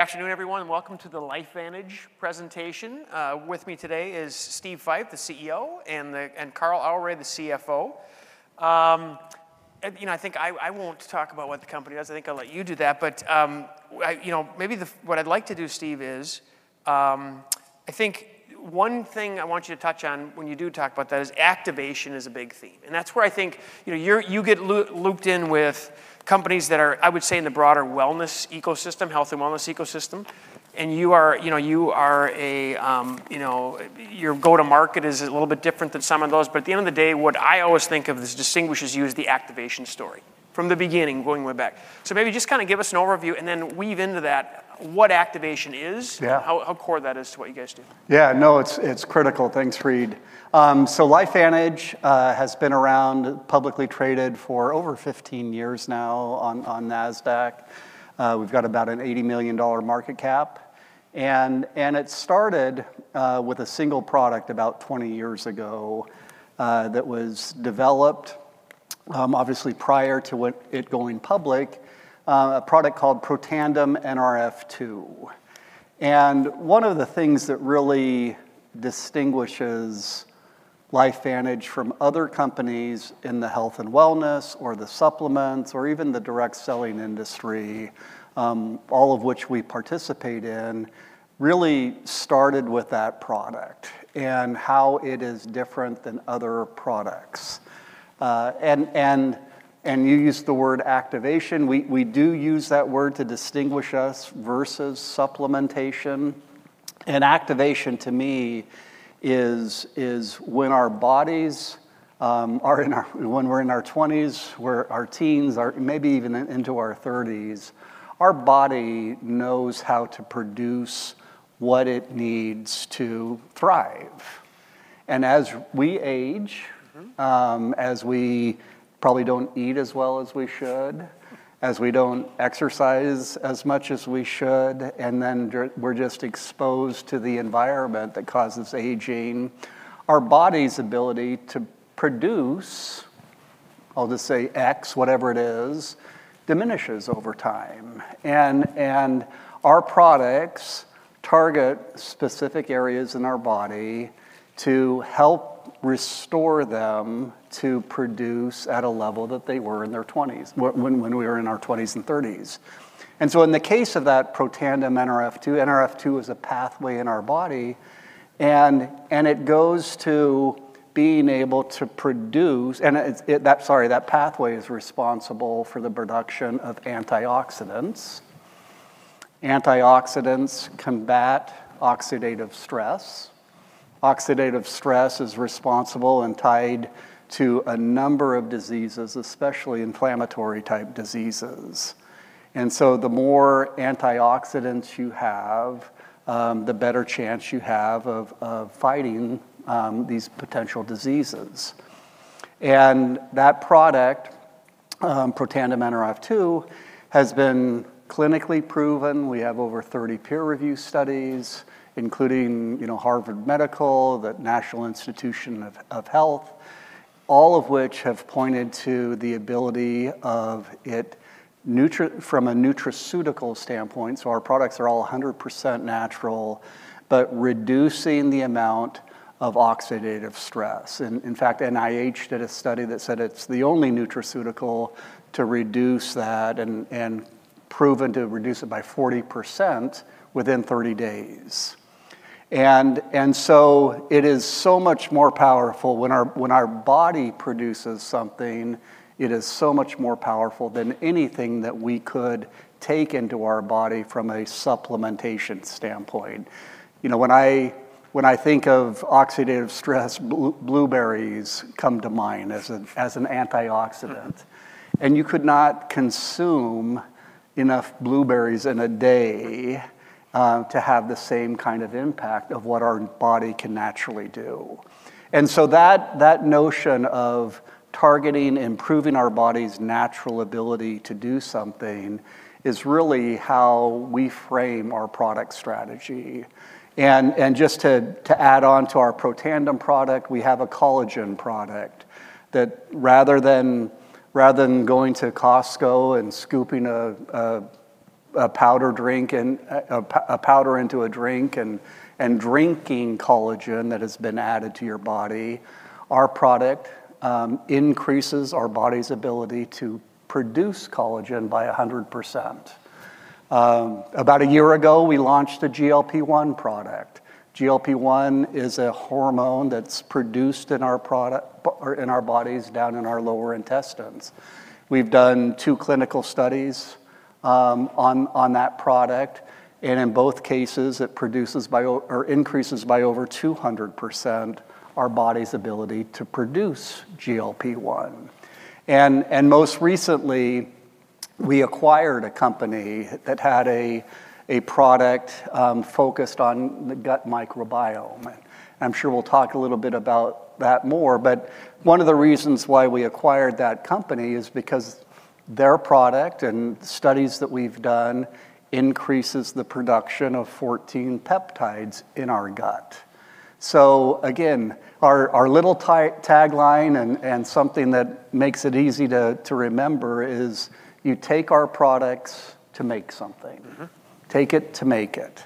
Afternoon, everyone. Welcome to the LifeVantage presentation. With me today is Steve Fife, the CEO, and Carl Aure, the CFO. I think I won't talk about what the company does. I think I'll let you do that. But maybe what I'd like to do, Steve, is I think one thing I want you to touch on when you do talk about that is activation is a big theme. And that's where I think you get looped in with companies that are, I would say, in the broader wellness ecosystem, health and wellness ecosystem. And your go-to-market is a little bit different than some of those. But at the end of the day, what I always think of as distinguishes you is the activation story from the beginning, going way back. So, maybe just kind of give us an overview and then weave into that what activation is, how core that is to what you guys do. Yeah, no, it's critical. Thanks, Reed. So LifeVantage has been around, publicly traded for over 15 years now on Nasdaq. We've got about an $80 million market cap. And it started with a single product about 20 years ago that was developed, obviously, prior to it going public, a product called Protandim Nrf2. And one of the things that really distinguishes LifeVantage from other companies in the health and wellness, or the supplements, or even the direct selling industry, all of which we participate in, really started with that product and how it is different than other products. And you used the word activation. We do use that word to distinguish us versus supplementation. And activation, to me, is when we're in our 20s, our teens, or maybe even into our 30s, our body knows how to produce what it needs to thrive. As we age, as we probably don't eat as well as we should, as we don't exercise as much as we should, and then we're just exposed to the environment that causes aging, our body's ability to produce, I'll just say X, whatever it is, diminishes over time. Our products target specific areas in our body to help restore them to produce at a level that they were in their 20s when we were in our 20s and 30s. So in the case of that Protandim Nrf2, Nrf2 is a pathway in our body. It goes to being able to produce, and sorry, that pathway is responsible for the production of antioxidants. Antioxidants combat oxidative stress. Oxidative stress is responsible and tied to a number of diseases, especially inflammatory-type diseases. The more antioxidants you have, the better chance you have of fighting these potential diseases. That product, Protandim Nrf2, has been clinically proven. We have over 30 peer-reviewed studies, including Harvard Medical School, the National Institutes of Health, all of which have pointed to the ability of it from a nutraceutical standpoint. Our products are all 100% natural but reducing the amount of oxidative stress. In fact, NIH did a study that said it's the only nutraceutical to reduce that and proven to reduce it by 40% within 30 days. It is so much more powerful when our body produces something. It is so much more powerful than anything that we could take into our body from a supplementation standpoint. When I think of oxidative stress, blueberries come to mind as an antioxidant. And you could not consume enough blueberries in a day to have the same kind of impact of what our body can naturally do. And so that notion of targeting, improving our body's natural ability to do something is really how we frame our product strategy. And just to add on to our Protandim product, we have a collagen product that rather than going to Costco and scooping a powder into a drink and drinking collagen that has been added to your body, our product increases our body's ability to produce collagen by 100%. About a year ago, we launched the GLP-1 product. GLP-1 is a hormone that's produced in our bodies down in our lower intestines. We've done two clinical studies on that product. And in both cases, it increases by over 200% our body's ability to produce GLP-1. Most recently, we acquired a company that had a product focused on the gut microbiome. I'm sure we'll talk a little bit about that more. One of the reasons why we acquired that company is because their product and studies that we've done increase the production of 14 peptides in our gut. Again, our little tagline and something that makes it easy to remember is you take our products to make something. Take it to make it.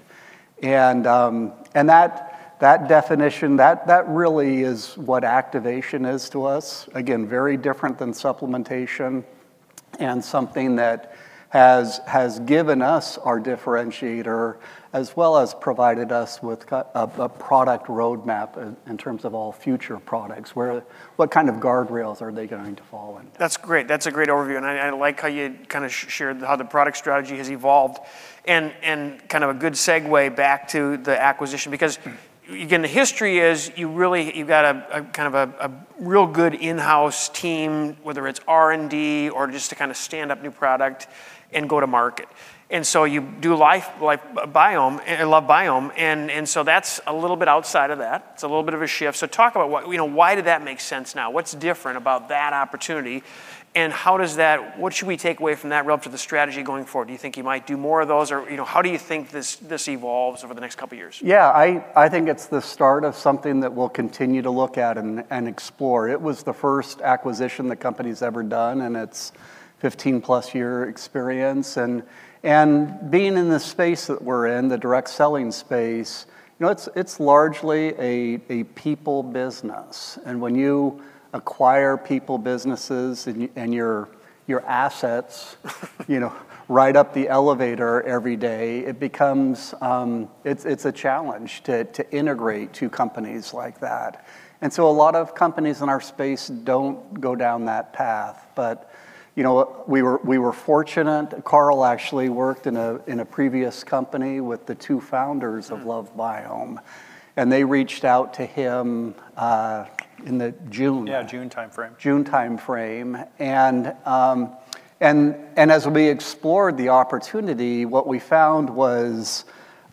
That definition, that really is what activation is to us. Again, very different than supplementation and something that has given us our differentiator, as well as provided us with a product roadmap in terms of all future products. What kind of guardrails are they going to fall into? That's great. That's a great overview. And I like how you kind of shared how the product strategy has evolved and kind of a good segue back to the acquisition. Because again, the history is you really you've got a kind of a real good in-house team, whether it's R&D or just to kind of stand up new product and go to market. And so you do LoveBiome. I love biome. And so that's a little bit outside of that. It's a little bit of a shift. So talk about why did that make sense now? What's different about that opportunity? And what should we take away from that relative to the strategy going forward? Do you think you might do more of those? Or how do you think this evolves over the next couple of years? Yeah, I think it's the start of something that we'll continue to look at and explore. It was the first acquisition the company's ever done. And it's 15-plus-year experience. And being in the space that we're in, the direct selling space, it's largely a people business. And when you acquire people businesses and your assets ride up the elevator every day, it becomes a challenge to integrate two companies like that. And so a lot of companies in our space don't go down that path. But we were fortunate. Carl actually worked in a previous company with the two founders of LoveBiome. And they reached out to him in June. Yeah, June time frame. June time frame, and as we explored the opportunity, what we found was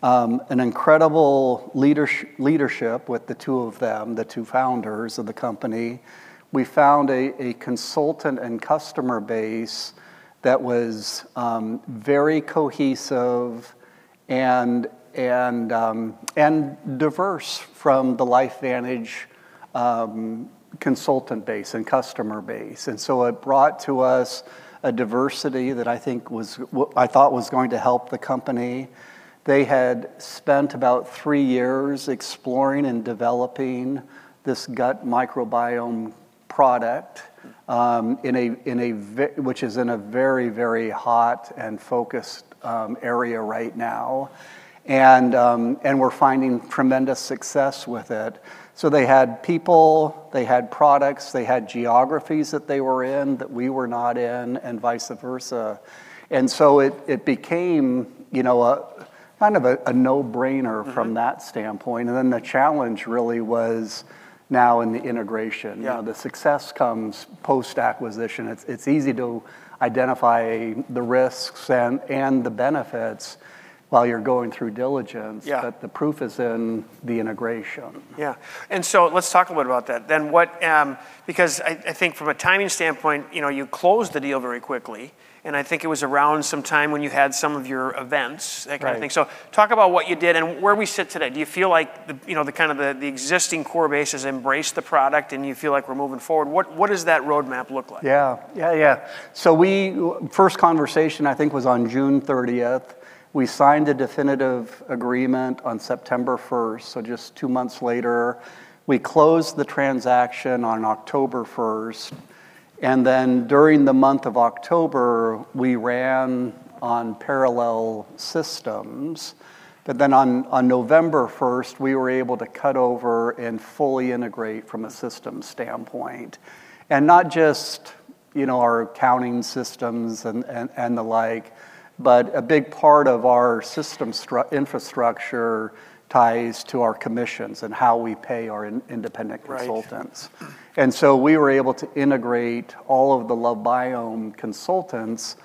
an incredible leadership with the two of them, the two founders of the company. We found a consultant and customer base that was very cohesive and diverse from the LifeVantage consultant base and customer base, and so it brought to us a diversity that I thought was going to help the company. They had spent about three years exploring and developing this gut microbiome product, which is in a very, very hot and focused area right now, and we're finding tremendous success with it, so they had people, they had products, they had geographies that they were in that we were not in, and vice versa, and so it became kind of a no-brainer from that standpoint, and then the challenge really was now in the integration. The success comes post-acquisition. It's easy to identify the risks and the benefits while you're going through diligence. But the proof is in the integration. Yeah. And so let's talk a little bit about that. Because I think from a timing standpoint, you closed the deal very quickly. And I think it was around some time when you had some of your events, that kind of thing. So talk about what you did. And where we sit today, do you feel like kind of the existing core base has embraced the product and you feel like we're moving forward? What does that roadmap look like? Yeah, yeah, so first conversation, I think, was on June 30th. We signed a definitive agreement on September 1st, so just two months later. We closed the transaction on October 1st, and then during the month of October, we ran on parallel systems, but then on November 1st, we were able to cut over and fully integrate from a systems standpoint, and not just our accounting systems and the like, but a big part of our system infrastructure ties to our commissions and how we pay our independent consultants, and so we were able to integrate all of the LoveBiome consultants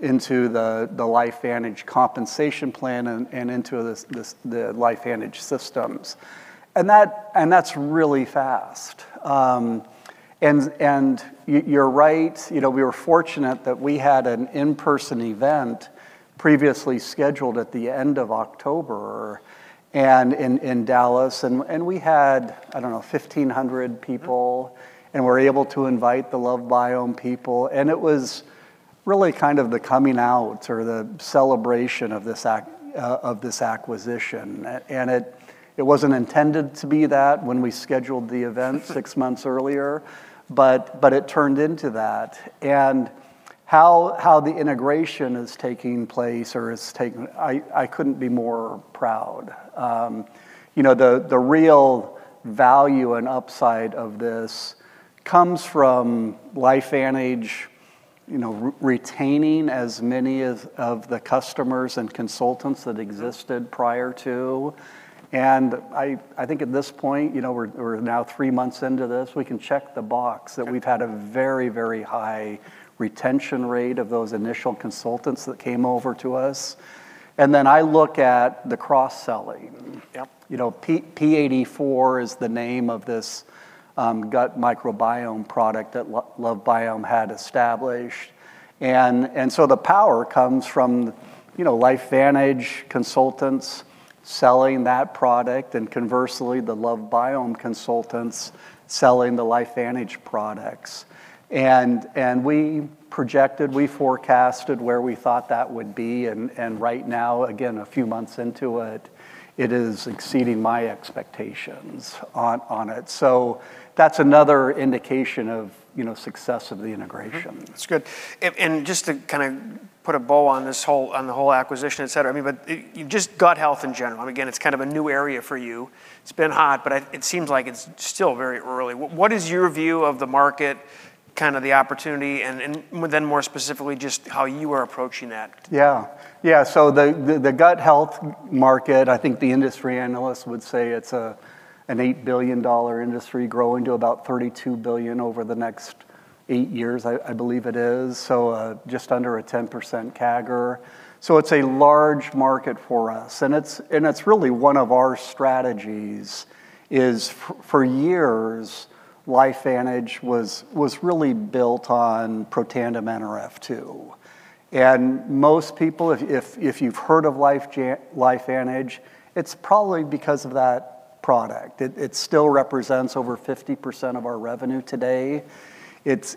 into the LifeVantage compensation plan and into the LifeVantage systems, and that's really fast, and you're right. We were fortunate that we had an in-person event previously scheduled at the end of October in Dallas, and we had, I don't know, 1,500 people. And we were able to invite the LoveBiome people. And it was really kind of the coming out or the celebration of this acquisition. And it wasn't intended to be that when we scheduled the event six months earlier. But it turned into that. And how the integration is taking place or is taking, I couldn't be more proud. The real value and upside of this comes from LifeVantage retaining as many of the customers and consultants that existed prior to. And I think at this point, we're now three months into this. We can check the box that we've had a very, very high retention rate of those initial consultants that came over to us. And then I look at the cross-selling. P84 is the name of this gut microbiome product that LoveBiome had established. And so the power comes from LifeVantage consultants selling that product and conversely, the LoveBiome consultants selling the LifeVantage products. And we projected, we forecasted where we thought that would be. And right now, again, a few months into it, it is exceeding my expectations on it. So that's another indication of success of the integration. That's good. And just to kind of put a bow on this whole acquisition, etc., but just gut health in general. Again, it's kind of a new area for you. It's been hot, but it seems like it's still very early. What is your view of the market, kind of the opportunity, and then more specifically, just how you are approaching that? Yeah, yeah. So the gut health market, I think the industry analyst would say it's an $8 billion industry growing to about $32 billion over the next eight years, I believe it is. So just under a 10% CAGR. So it's a large market for us. And it's really one of our strategies is for years, LifeVantage was really built on Protandim Nrf2. And most people, if you've heard of LifeVantage, it's probably because of that product. It still represents over 50% of our revenue today. It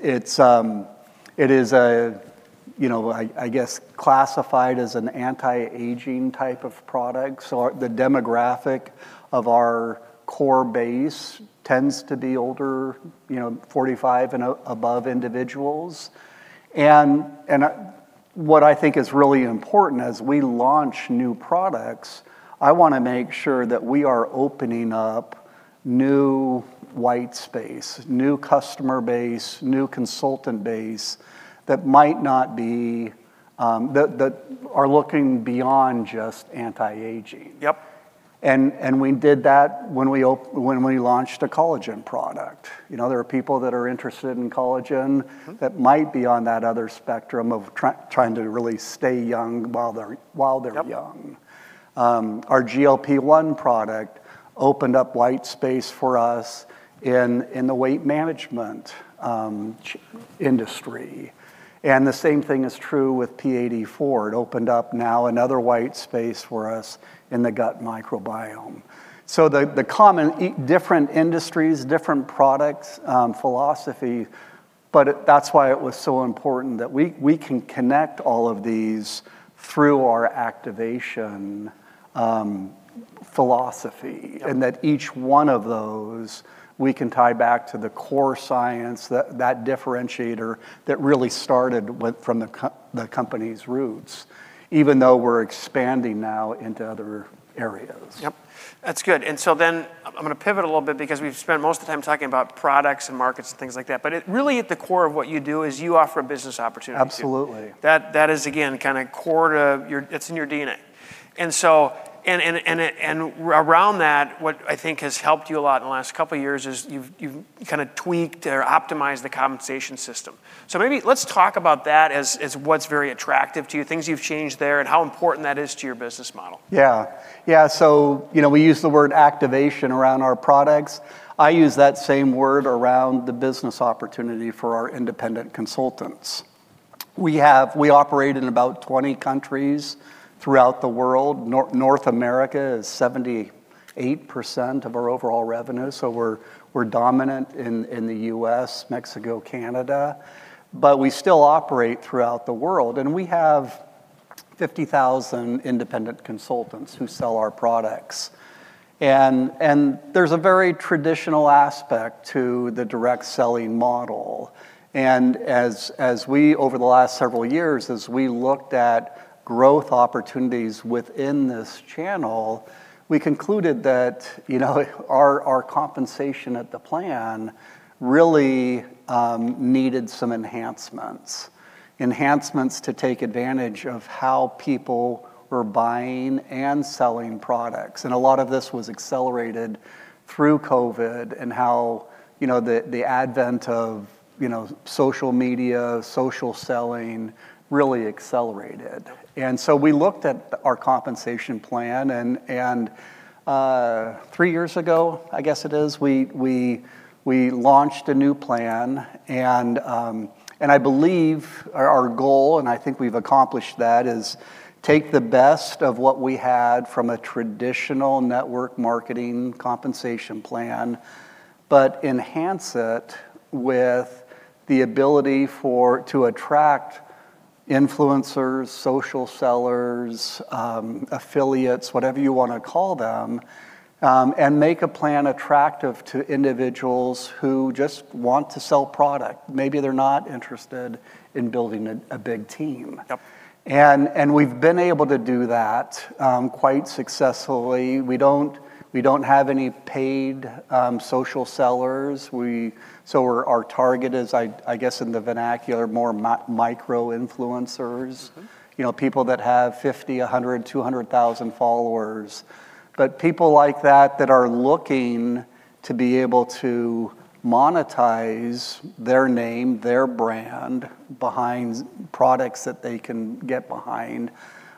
is, I guess, classified as an anti-aging type of product. So the demographic of our core base tends to be older, 45 years and above individuals. What I think is really important as we launch new products, I want to make sure that we are opening up new white space, new customer base, new consultant base that might not be that are looking beyond just anti-aging. We did that when we launched a collagen product. There are people that are interested in collagen that might be on that other spectrum of trying to really stay young while they're young. Our GLP-1 product opened up white space for us in the weight management industry. The same thing is true with P84. It opened up now another white space for us in the gut microbiome. The common different industries, different products, philosophy. But that's why it was so important that we can connect all of these through our activation philosophy and that each one of those we can tie back to the core science, that differentiator that really started from the company's roots, even though we're expanding now into other areas. Yep. That's good, and so then I'm going to pivot a little bit because we've spent most of the time talking about products and markets and things like that, but really, at the core of what you do is you offer a business opportunity. Absolutely. That is, again, kind of core to your, it's in your DNA. And around that, what I think has helped you a lot in the last couple of years is you've kind of tweaked or optimized the compensation system. So maybe let's talk about that as what's very attractive to you, things you've changed there, and how important that is to your business model. Yeah, yeah, so we use the word activation around our products. I use that same word around the business opportunity for our independent consultants. We operate in about 20 countries throughout the world. North America is 78% of our overall revenue, so we're dominant in the U.S., Mexico, Canada, but we still operate throughout the world, and we have 50,000 independent consultants who sell our products, and there's a very traditional aspect to the direct selling model. And as we, over the last several years, as we looked at growth opportunities within this channel, we concluded that our compensation plan really needed some enhancements, enhancements to take advantage of how people were buying and selling products, and a lot of this was accelerated through COVID and how the advent of social media, social selling really accelerated, and so we looked at our compensation plan. Three years ago, I guess it is, we launched a new plan. I believe our goal, and I think we've accomplished that, is take the best of what we had from a traditional network marketing compensation plan, but enhance it with the ability to attract influencers, social sellers, affiliates, whatever you want to call them, and make a plan attractive to individuals who just want to sell product. Maybe they're not interested in building a big team. We've been able to do that quite successfully. We don't have any paid social sellers. So our target is, I guess, in the vernacular, more micro-influencers, people that have 50,000, 100,000, 200,000 followers. But people like that that are looking to be able to monetize their name, their brand behind products that they can get behind,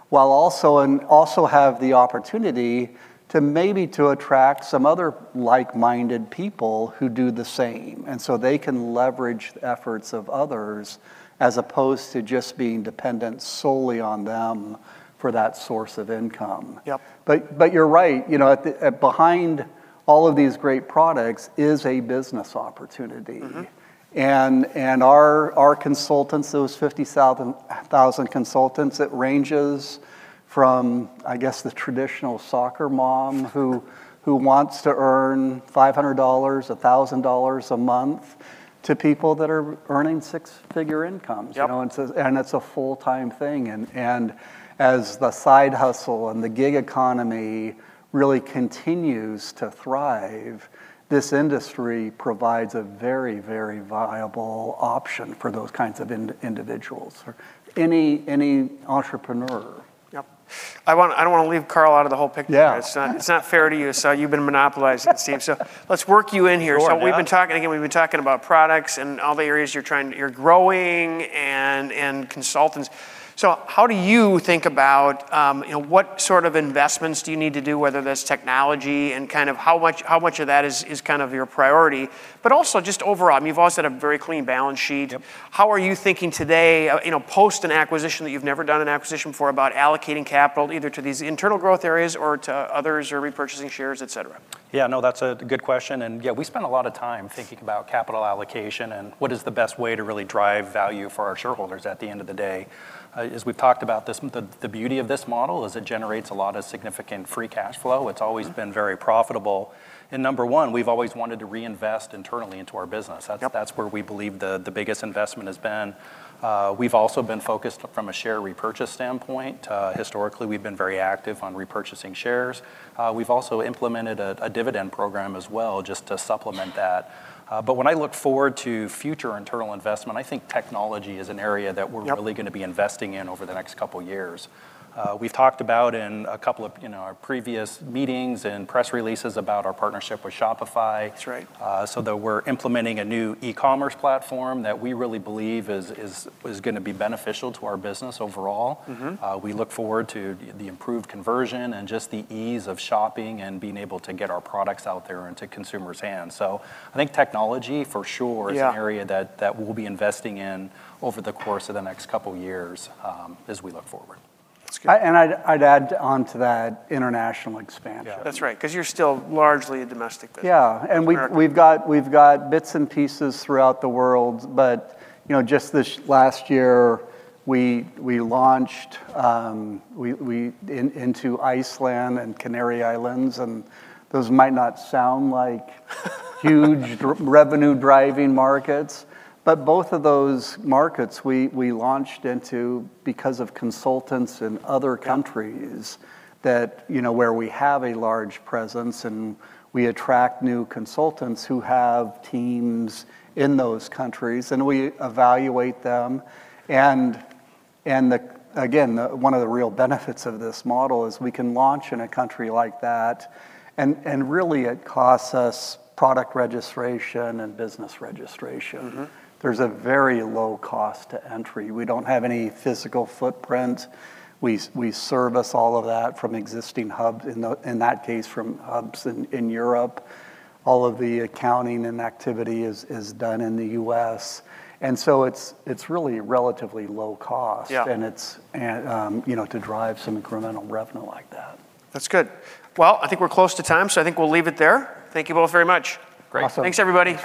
while also have the opportunity to maybe attract some other like-minded people who do the same. And so they can leverage the efforts of others as opposed to just being dependent solely on them for that source of income. But you're right. Behind all of these great products is a business opportunity. And our consultants, those 50,000 consultants, it ranges from, I guess, the traditional soccer mom who wants to earn $500, $1,000 a month to people that are earning six-figure incomes. And it's a full-time thing. And as the side hustle and the gig economy really continues to thrive, this industry provides a very, very viable option for those kinds of individuals, any entrepreneur. Yep. I don't want to leave Carl out of the whole picture. It's not fair to you. So you've been monopolizing the scene. So let's work you in here. So we've been talking, again, we've been talking about products and all the areas you're growing and consultants. So how do you think about what sort of investments do you need to do, whether that's technology and kind of how much of that is kind of your priority, but also just overall? I mean, you've always had a very clean balance sheet. How are you thinking today post an acquisition that you've never done an acquisition for about allocating capital either to these internal growth areas or to others or repurchasing shares, etc.? Yeah, no, that's a good question, and yeah, we spent a lot of time thinking about capital allocation and what is the best way to really drive value for our shareholders at the end of the day. As we've talked about this, the beauty of this model is it generates a lot of significant free cash flow. It's always been very profitable, and number one, we've always wanted to reinvest internally into our business. That's where we believe the biggest investment has been. We've also been focused from a share repurchase standpoint. Historically, we've been very active on repurchasing shares. We've also implemented a dividend program as well just to supplement that, but when I look forward to future internal investment, I think technology is an area that we're really going to be investing in over the next couple of years. We've talked about in a couple of our previous meetings and press releases about our partnership with Shopify. So that we're implementing a new e-commerce platform that we really believe is going to be beneficial to our business overall. We look forward to the improved conversion and just the ease of shopping and being able to get our products out there into consumers' hands. So I think technology for sure is an area that we'll be investing in over the course of the next couple of years as we look forward. And I'd add on to that international expansion. Yeah, that's right. Because you're still largely a domestic business. Yeah. And we've got bits and pieces throughout the world. But just this last year, we launched into Iceland and Canary Islands. And those might not sound like huge revenue-driving markets. But both of those markets we launched into because of consultants in other countries where we have a large presence and we attract new consultants who have teams in those countries. And we evaluate them. And again, one of the real benefits of this model is we can launch in a country like that. And really, it costs us product registration and business registration. There's a very low cost to entry. We don't have any physical footprint. We service all of that from existing hubs, in that case, from hubs in Europe. All of the accounting and activity is done in the U.S. And so it's really relatively low cost to drive some incremental revenue like that. That's good. Well, I think we're close to time. So I think we'll leave it there. Thank you both very much. Great. Thanks, everybody.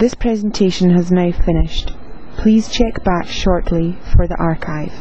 Thanks, Reed. Thanks. This presentation has now finished. Please check back shortly for the archive.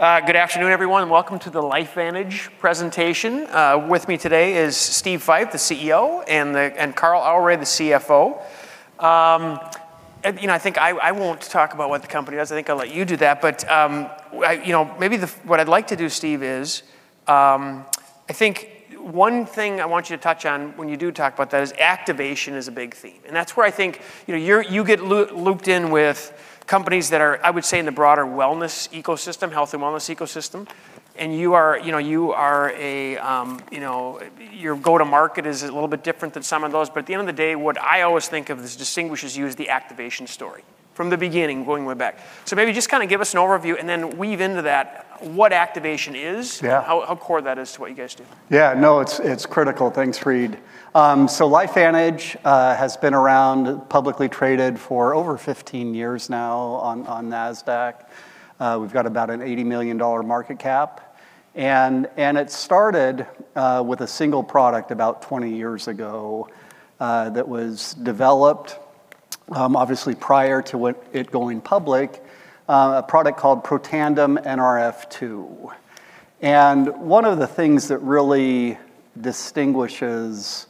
Good afternoon, everyone. Welcome to the LifeVantage presentation. With me today is Steve Fife, the CEO, and Carl Aure, the CFO. I think I won't talk about what the company does. I think I'll let you do that. But maybe what I'd like to do, Steve, is I think one thing I want you to touch on when you do talk about that is activation is a big theme. And that's where I think you get looped in with companies that are, I would say, in the broader wellness ecosystem, health and wellness ecosystem. And your go-to-market is a little bit different than some of those. But at the end of the day, what I always think of as distinguishes you is the activation story from the beginning, going way back. So, maybe just kind of give us an overview and then weave into that what activation is, how core that is to what you guys do. Yeah, no, it's critical. Thanks, Reed. LifeVantage has been around, publicly traded for over 15 years now on Nasdaq. We've got about an $80 million market cap. It started with a single product about 20 years ago that was developed, obviously, prior to it going public, a product called Protandim Nrf2. One of the things that really distinguishes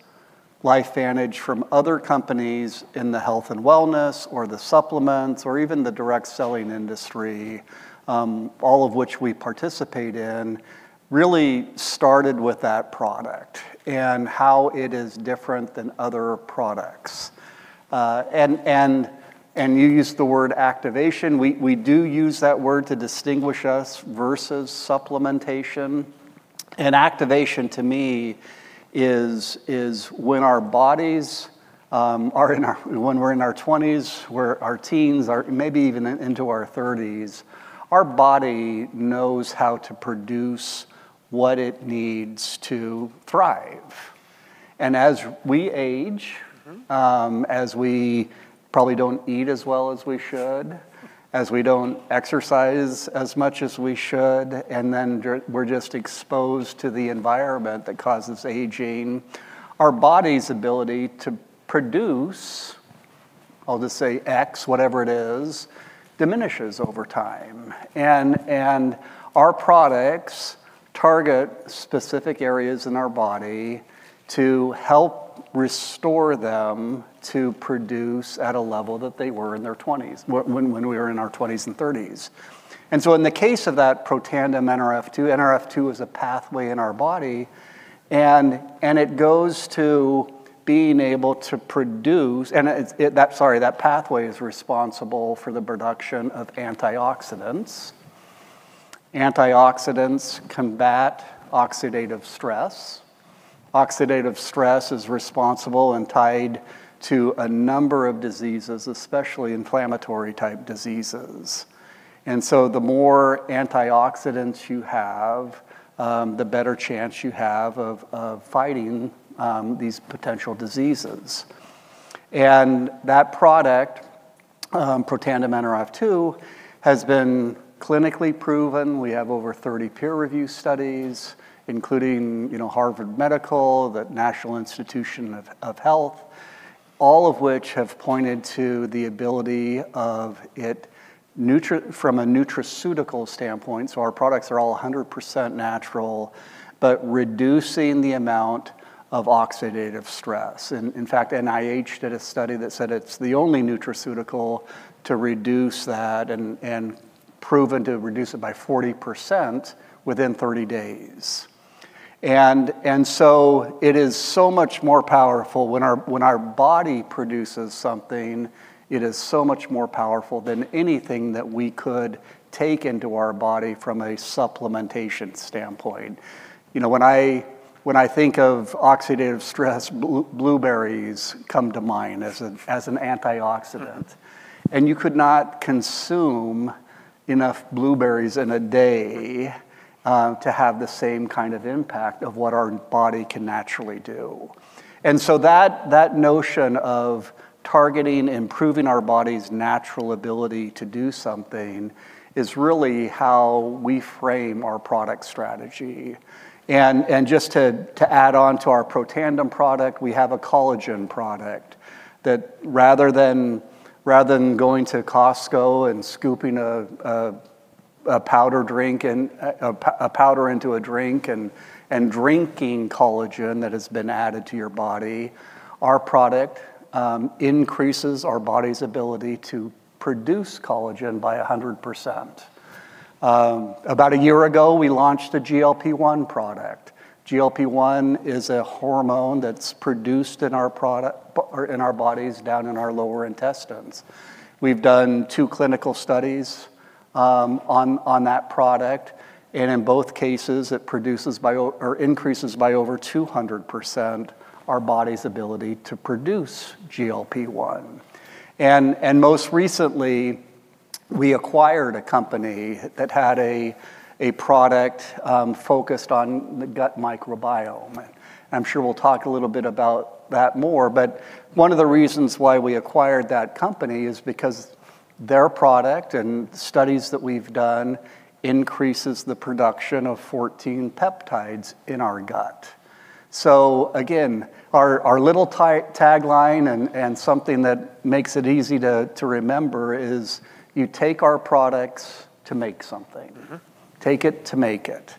LifeVantage from other companies in the health and wellness or the supplements or even the direct selling industry, all of which we participate in, really started with that product and how it is different than other products. You used the word activation. We do use that word to distinguish us versus supplementation. Activation, to me, is when our bodies, when we're in our 20s, our teens, maybe even into our 30s, our body knows how to produce what it needs to thrive. And as we age, as we probably don't eat as well as we should, as we don't exercise as much as we should, and then we're just exposed to the environment that causes aging, our body's ability to produce, I'll just say X, whatever it is, diminishes over time. And our products target specific areas in our body to help restore them to produce at a level that they were in their 20s when we were in our 20s and 30s. And so in the case of that Protandim Nrf2, Nrf2 is a pathway in our body. And it goes to being able to produce and sorry, that pathway is responsible for the production of antioxidants. Antioxidants combat oxidative stress. Oxidative stress is responsible and tied to a number of diseases, especially inflammatory-type diseases. The more antioxidants you have, the better chance you have of fighting these potential diseases. That product, Protandim Nrf2, has been clinically proven. We have over 30 peer-reviewed studies, including Harvard Medical School, the National Institutes of Health, all of which have pointed to the ability of it from a nutraceutical standpoint. Our products are all 100% natural, but reducing the amount of oxidative stress. In fact, NIH did a study that said it's the only nutraceutical to reduce that and proven to reduce it by 40% within 30 days. It is so much more powerful when our body produces something. It is so much more powerful than anything that we could take into our body from a supplementation standpoint. When I think of oxidative stress, blueberries come to mind as an antioxidant. You could not consume enough blueberries in a day to have the same kind of impact of what our body can naturally do. And so that notion of targeting, improving our body's natural ability to do something is really how we frame our product strategy. And just to add on to our Protandim product, we have a collagen product that rather than going to Costco and scooping a powder into a drink and drinking collagen that has been added to your body, our product increases our body's ability to produce collagen by 100%. About a year ago, we launched the GLP-1 product. GLP-1 is a hormone that's produced in our bodies down in our lower intestines. We've done two clinical studies on that product. And in both cases, it increases by over 200% our body's ability to produce GLP-1. And most recently, we acquired a company that had a product focused on the gut microbiome. And I'm sure we'll talk a little bit about that more. But one of the reasons why we acquired that company is because their product and studies that we've done increases the production of 14 peptides in our gut. So again, our little tagline and something that makes it easy to remember is you take our products to make something. Take it to make it.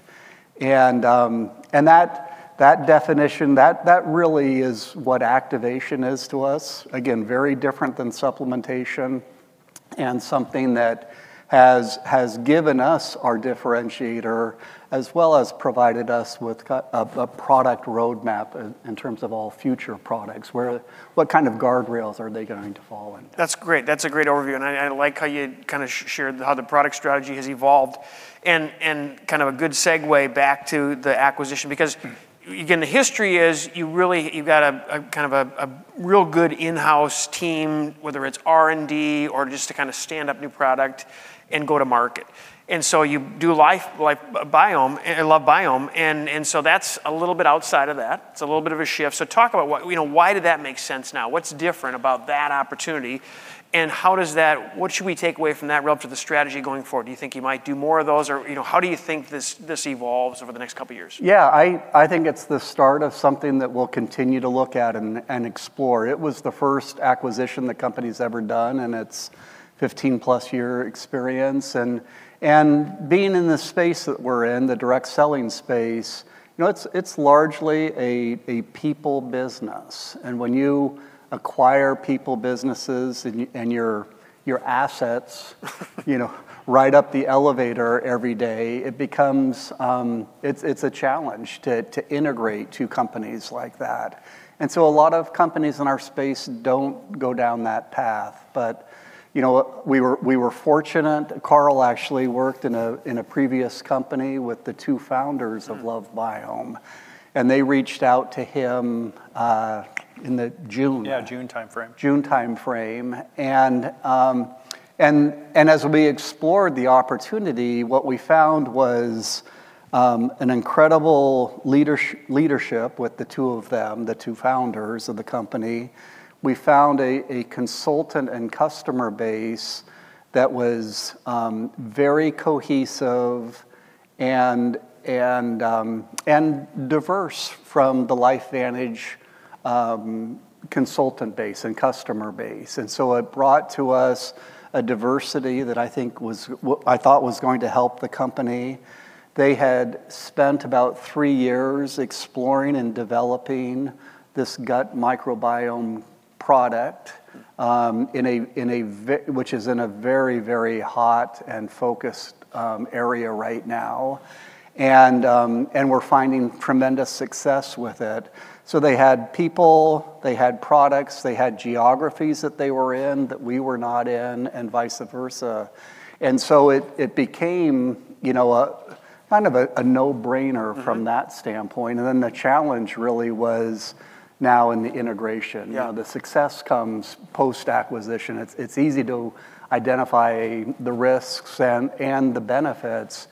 And that definition, that really is what activation is to us. Again, very different than supplementation and something that has given us our differentiator as well as provided us with a product roadmap in terms of all future products. What kind of guardrails are they going to fall into? That's great. That's a great overview. And I like how you kind of shared how the product strategy has evolved and kind of a good segue back to the acquisition. Because again, the history is you really, you've got a kind of a real good in-house team, whether it's R&D or just to kind of stand up new product and go to market. And so you do LoveBiome. And so that's a little bit outside of that. It's a little bit of a shift. So talk about why did that make sense now? What's different about that opportunity? And what should we take away from that relative to the strategy going forward? Do you think you might do more of those? Or how do you think this evolves over the next couple of years? Yeah, I think it's the start of something that we'll continue to look at and explore. It was the first acquisition the company's ever done, and it's 15-plus year experience. And being in the space that we're in, the direct selling space, it's largely a people business. And when you acquire people businesses and your assets ride up the elevator every day, it becomes a challenge to integrate two companies like that. And so a lot of companies in our space don't go down that path. But we were fortunate. Carl actually worked in a previous company with the two founders of LoveBiome. And they reached out to him in June. Yeah, June time frame. June time frame. And as we explored the opportunity, what we found was an incredible leadership with the two of them, the two founders of the company. We found a consultant and customer base that was very cohesive and diverse from the LifeVantage consultant base and customer base. And so it brought to us a diversity that I think I thought was going to help the company. They had spent about three years exploring and developing this gut microbiome product, which is in a very, very hot and focused area right now. And we're finding tremendous success with it. So they had people, they had products, they had geographies that they were in that we were not in, and vice versa. And so it became kind of a no-brainer from that standpoint. And then the challenge really was now in the integration. The success comes post-acquisition. It's easy to identify the risks and the benefits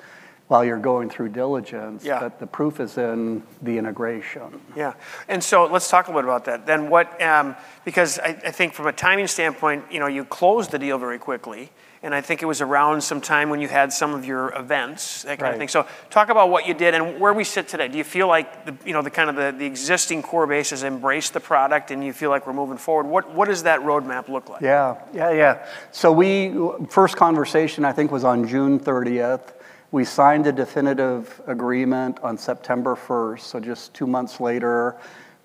while you're going through diligence. But the proof is in the integration. Yeah, and so let's talk a little bit about that. Because I think from a timing standpoint, you closed the deal very quickly, and I think it was around some time when you had some of your events, so talk about what you did, and where we sit today, do you feel like kind of the existing core base has embraced the product and you feel like we're moving forward? What does that roadmap look like? Yeah, yeah, yeah. So first conversation, I think, was on June 30th. We signed a definitive agreement on September 1st, so just two months later.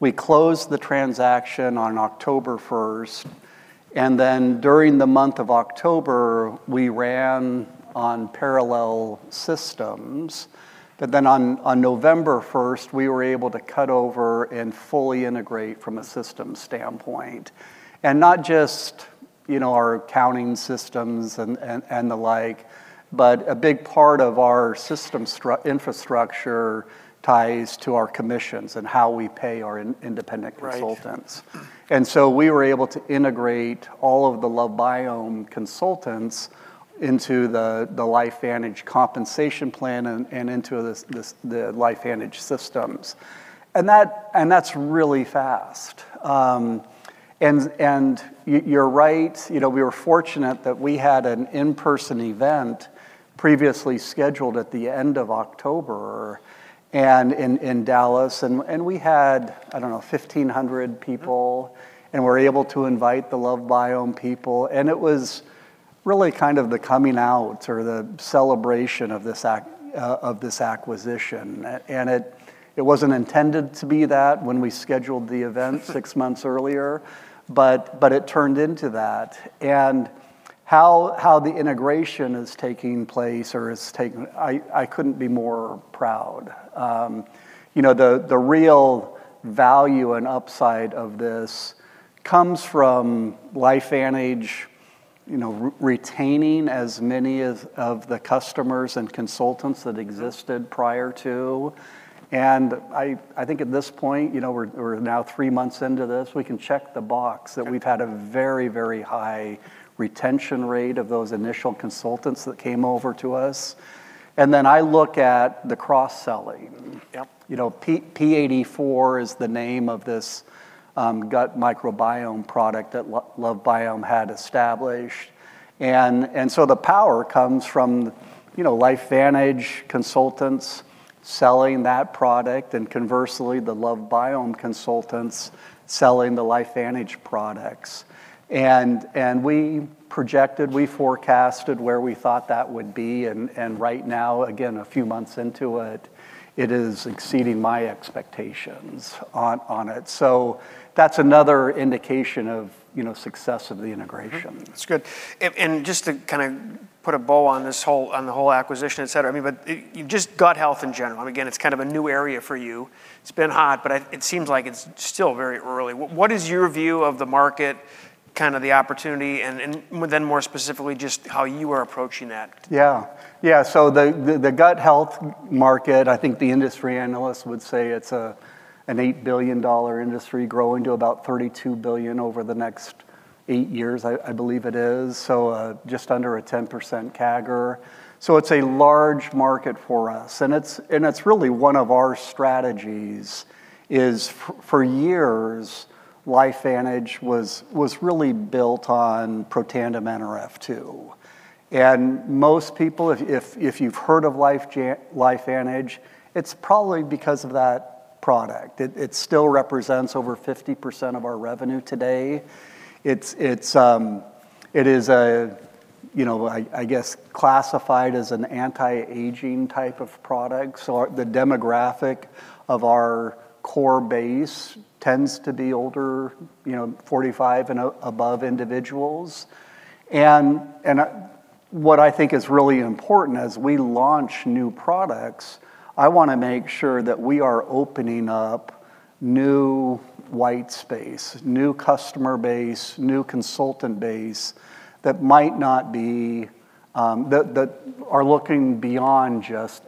We closed the transaction on October 1st. And then during the month of October, we ran on parallel systems. But then on November 1st, we were able to cut over and fully integrate from a systems standpoint. And not just our accounting systems and the like, but a big part of our system infrastructure ties to our commissions and how we pay our independent consultants. And so we were able to integrate all of the LoveBiome consultants into the LifeVantage compensation plan and into the LifeVantage systems. And that's really fast. And you're right. We were fortunate that we had an in-person event previously scheduled at the end of October in Dallas. And we had, I don't know, 1,500 people. We were able to invite the LoveBiome people. It was really kind of the coming out or the celebration of this acquisition. It wasn't intended to be that when we scheduled the event six months earlier, but it turned into that. How the integration is taking place or is taking, I couldn't be more proud. The real value and upside of this comes from LifeVantage retaining as many of the customers and consultants that existed prior to. I think at this point, we're now three months into this. We can check the box that we've had a very, very high retention rate of those initial consultants that came over to us. Then I look at the cross-selling. P84 is the name of this gut microbiome product that LoveBiome had established. The power comes from LifeVantage consultants selling that product and conversely, the LoveBiome consultants selling the LifeVantage products. We projected, we forecasted where we thought that would be. Right now, again, a few months into it, it is exceeding my expectations on it. That's another indication of success of the integration. That's good. And just to kind of put a bow on this whole acquisition, et cetera, but just gut health in general. Again, it's kind of a new area for you. It's been hot, but it seems like it's still very early. What is your view of the market, kind of the opportunity, and then more specifically just how you are approaching that? Yeah, yeah. So the gut health market, I think the industry analyst would say it's an $8 billion industry growing to about $32 billion over the next eight years, I believe it is. So just under a 10% CAGR. So it's a large market for us. And it's really one of our strategies is for years, LifeVantage was really built on Protandim Nrf2. And most people, if you've heard of LifeVantage, it's probably because of that product. It still represents over 50% of our revenue today. It is, I guess, classified as an anti-aging type of product. So the demographic of our core base tends to be older, 45 years and above individuals. What I think is really important as we launch new products, I want to make sure that we are opening up new white space, new customer base, new consultant base that might not be, that are looking beyond just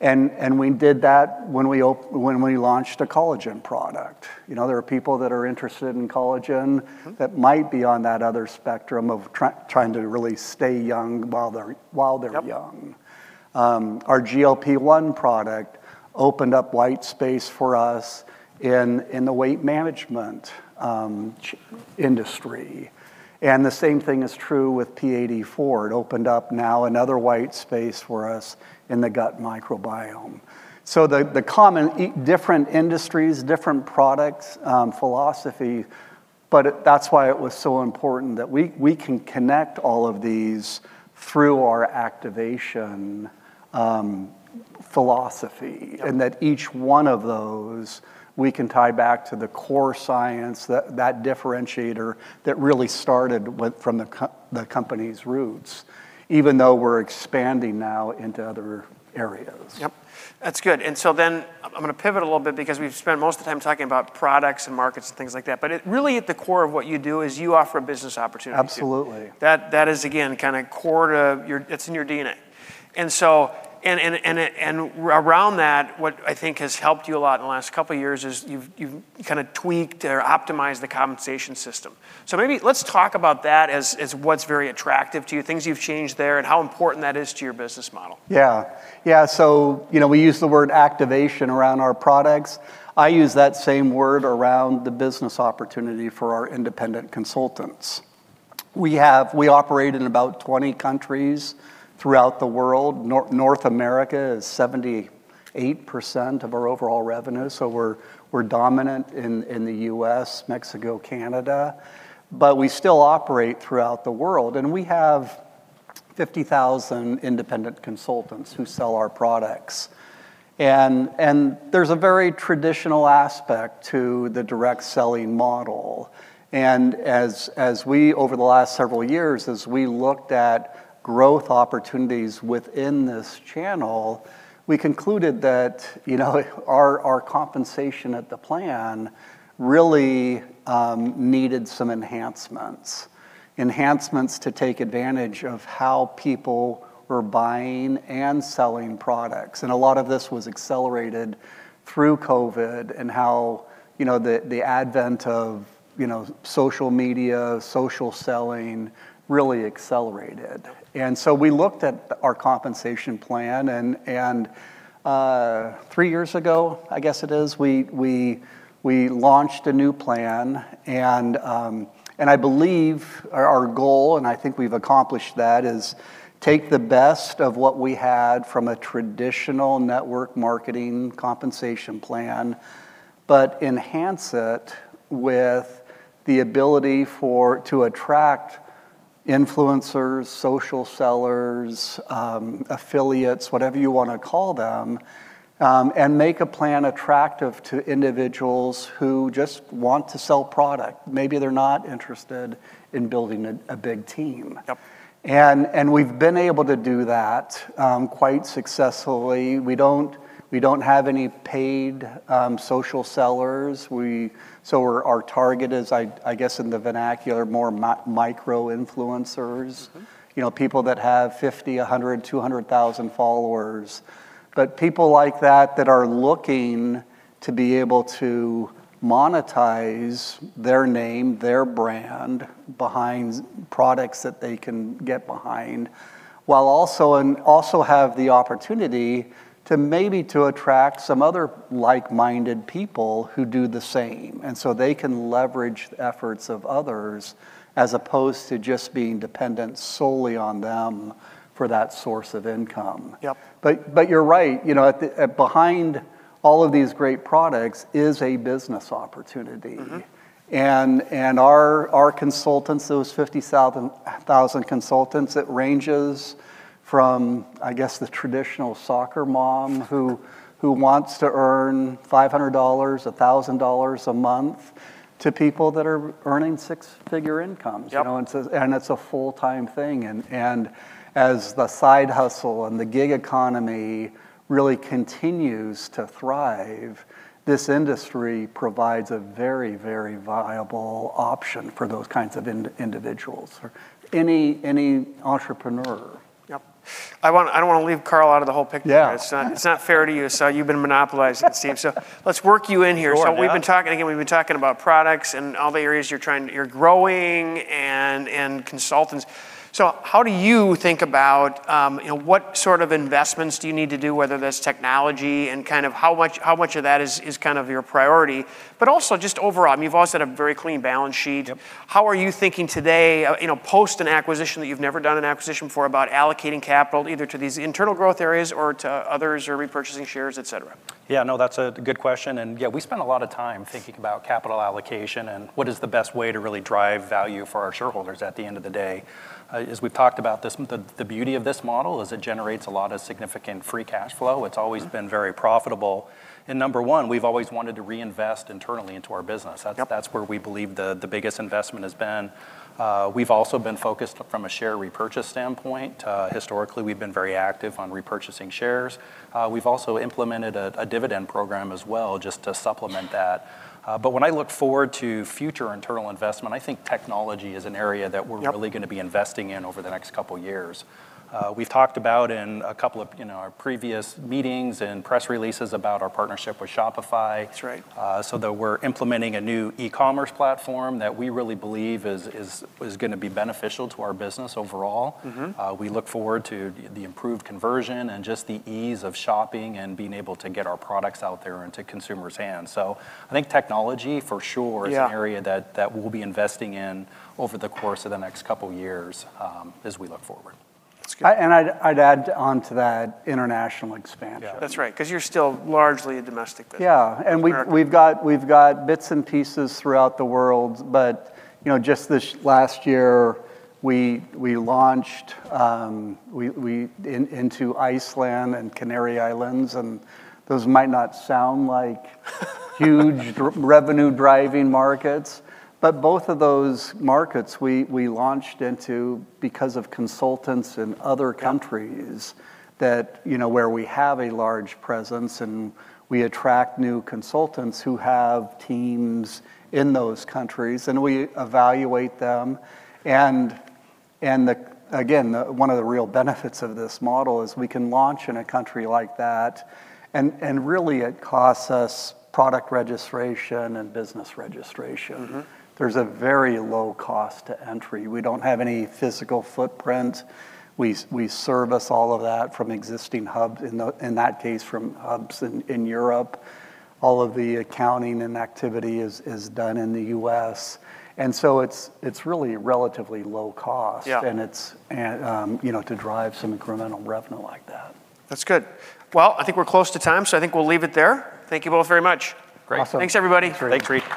anti-aging. We did that when we launched a collagen product. There are people that are interested in collagen that might be on that other spectrum of trying to really stay young while they're young. Our GLP-1 product opened up white space for us in the weight management industry. The same thing is true with P84. It opened up now another white space for us in the gut microbiome. The common different industries, different products, philosophy, but that's why it was so important that we can connect all of these through our activation philosophy and that each one of those we can tie back to the core science, that differentiator that really started from the company's roots, even though we're expanding now into other areas. Yep. That's good. And so then I'm going to pivot a little bit because we've spent most of the time talking about products and markets and things like that. But really, at the core of what you do is you offer a business opportunity. Absolutely. That is, again, kind of core to it, it's in your DNA. And around that, what I think has helped you a lot in the last couple of years is you've kind of tweaked or optimized the compensation system. So maybe let's talk about that as what's very attractive to you, things you've changed there, and how important that is to your business model. Yeah, yeah. So we use the word activation around our products. I use that same word around the business opportunity for our independent consultants. We operate in about 20 countries throughout the world. North America is 78% of our overall revenue. So we're dominant in the U.S., Mexico, Canada. But we still operate throughout the world. And we have 50,000 independent consultants who sell our products. And there's a very traditional aspect to the direct selling model. And over the last several years, as we looked at growth opportunities within this channel, we concluded that our compensation plan really needed some enhancements, enhancements to take advantage of how people were buying and selling products. And a lot of this was accelerated through COVID and how the advent of social media, social selling really accelerated. And so we looked at our compensation plan. Three years ago, I guess it is, we launched a new plan. I believe our goal, and I think we've accomplished that, is take the best of what we had from a traditional network marketing compensation plan, but enhance it with the ability to attract influencers, social sellers, affiliates, whatever you want to call them, and make a plan attractive to individuals who just want to sell product. Maybe they're not interested in building a big team. We've been able to do that quite successfully. We don't have any paid social sellers. So our target is, I guess, in the vernacular, more micro-influencers, people that have 50,000, 100,000, 200,000 followers. But people like that that are looking to be able to monetize their name, their brand behind products that they can get behind, while also have the opportunity to maybe attract some other like-minded people who do the same. And so they can leverage the efforts of others as opposed to just being dependent solely on them for that source of income. But you're right. Behind all of these great products is a business opportunity. And our consultants, those 50,000 consultants, it ranges from, I guess, the traditional soccer mom who wants to earn $500, $1,000 a month to people that are earning six-figure incomes. And it's a full-time thing. And as the side hustle and the gig economy really continues to thrive, this industry provides a very, very viable option for those kinds of individuals, any entrepreneur. Yep. I don't want to leave Carl out of the whole picture. It's not fair to you. So you've been monopolizing the team. So let's work you in here. So we've been talking, again, we've been talking about products and all the areas you're growing and consultants. So how do you think about what sort of investments do you need to do, whether that's technology and kind of how much of that is kind of your priority, but also just overall? I mean, you've always had a very clean balance sheet. How are you thinking today post an acquisition that you've never done an acquisition for about allocating capital either to these internal growth areas or to others or repurchasing shares, etc.? Yeah, no, that's a good question. And yeah, we spend a lot of time thinking about capital allocation and what is the best way to really drive value for our shareholders at the end of the day. As we've talked about this, the beauty of this model is it generates a lot of significant free cash flow. It's always been very profitable. And number one, we've always wanted to reinvest internally into our business. That's where we believe the biggest investment has been. We've also been focused from a share repurchase standpoint. Historically, we've been very active on repurchasing shares. We've also implemented a dividend program as well just to supplement that. But when I look forward to future internal investment, I think technology is an area that we're really going to be investing in over the next couple of years. We've talked about in a couple of our previous meetings and press releases about our partnership with Shopify so that we're implementing a new e-commerce platform that we really believe is going to be beneficial to our business overall. We look forward to the improved conversion and just the ease of shopping and being able to get our products out there into consumers' hands, so I think technology for sure is an area that we'll be investing in over the course of the next couple of years as we look forward. I'd add on to that international expansion. Yeah, that's right. Because you're still largely a domestic business. Yeah. And we've got bits and pieces throughout the world. But just this last year, we launched into Iceland and Canary Islands. And those might not sound like huge revenue-driving markets, but both of those markets we launched into because of consultants in other countries where we have a large presence and we attract new consultants who have teams in those countries. And we evaluate them. And again, one of the real benefits of this model is we can launch in a country like that. And really, it costs us product registration and business registration. There's a very low cost to entry. We don't have any physical footprint. We service all of that from existing hubs, in that case, from hubs in Europe. All of the accounting and activity is done in the U.S. And so it's really relatively low cost to drive some incremental revenue like that. That's good. Well, I think we're close to time. So I think we'll leave it there. Thank you both very much. Great. Thanks, everybody. Thanks.